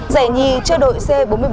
giải nhì cho đội c bốn mươi bốn